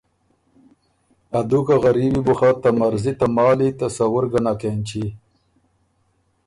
ا دوکه غریبی بو خه ته مرضی ته مالی تصور ګۀ نک اېنچی۔